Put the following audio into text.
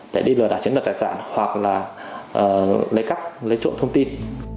để đi lừa đảo chiến đoạn tài sản hoặc là lấy cắp lấy trộm thông tin